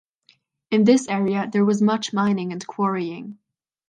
In this area there was much mining and quarrying.